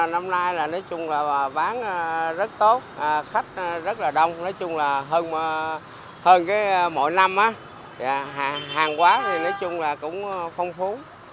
năm nay bán rất tốt khách rất đông hơn mỗi năm hàng quán cũng phong phú